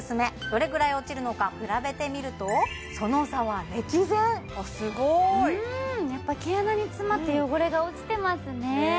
どれぐらい落ちるのか比べてみるとその差は歴然あっすごーいやっぱ毛穴に詰まった汚れが落ちてますね